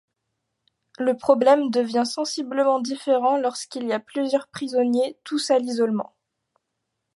Le problème devient sensiblement différent lorsqu'ils y a plusieurs prisonniers tous à l'isolement.